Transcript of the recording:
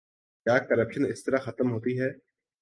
کیا کرپشن اس طرح ختم ہوتی ہے؟